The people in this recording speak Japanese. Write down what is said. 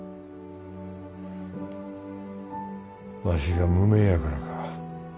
わしが無名やからか。